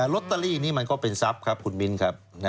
ลอตเตอรี่นี้มันก็เป็นทรัพย์ครับคุณมิ้นครับ